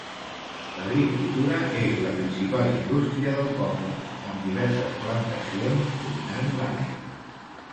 L'agricultura és la principal indústria del poble, amb diverses plantacions dominant l'àrea.